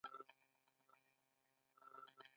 پیغمبر علیه السلام یهودي جنازې ته ودرېده.